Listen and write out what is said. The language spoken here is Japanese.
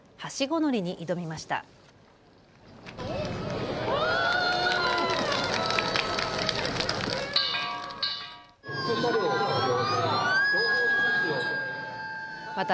乗りに挑みました。